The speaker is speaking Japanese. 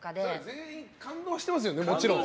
全員、感動していますよねもちろん。